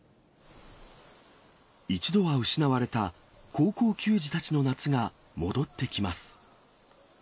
一度は失われた高校球児たちの夏が戻ってきます。